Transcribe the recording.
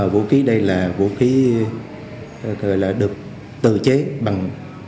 vũ khí đây là vũ khí được tự chế bằng